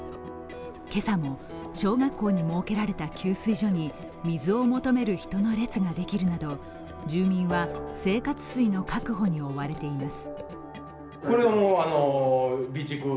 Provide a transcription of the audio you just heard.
今朝も小学校に設けられた給水所に水を求める人の列ができるなど住民は生活水の確保に追われています。